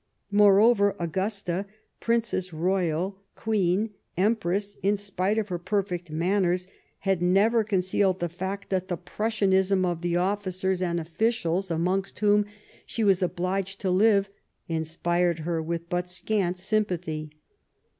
Moreover, Augusta, Princess Royal, Queen, Empress, in spite of her perfect manners, had never concealed the fact that the Prussianism of the officers and officials 216 Last Fights amongst whom she was obhgcd to Hve inspired her with but scant sympathy.